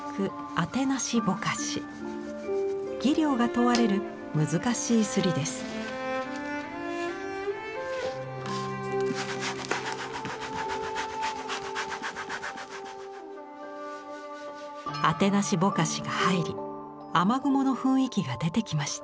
あてなしぼかしが入り雨雲の雰囲気が出てきました。